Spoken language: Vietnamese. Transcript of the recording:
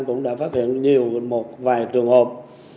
cũng đã phát hiện nhiều một vài trường hợp